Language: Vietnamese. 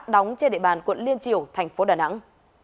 đóng trên địa bàn quận liên triều tp đà nẵng